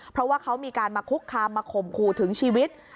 เพราะว่าเขามีการมาคุกคามมาข่มขู่ถึงชีวิต